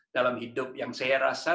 dalam hidup yang saya rasa